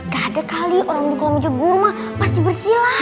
gak ada kali orang di kolam meja gua rumah pasti bersih lah